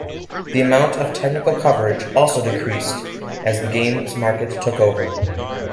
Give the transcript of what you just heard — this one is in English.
The amount of technical coverage also decreased as the games market took over.